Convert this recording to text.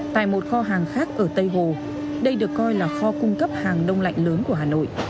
tại một kho hàng khác ở tây hồ đây được coi là kho cung cấp hàng đông lạnh lớn của hà nội